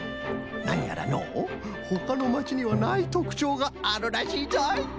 なにやらのうほかのまちにはないとくちょうがあるらしいぞい。